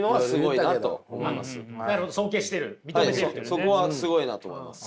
そこはすごいなと思います。